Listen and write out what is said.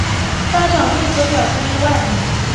大场对此表示意外。